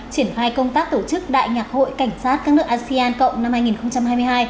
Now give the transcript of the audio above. triển khai công tác tổ chức đại nhạc hội cảnh sát các nước asean cộng năm hai nghìn hai mươi hai